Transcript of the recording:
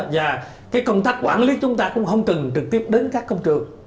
và cái công tác quản lý chúng ta cũng không cần trực tiếp đến các công trường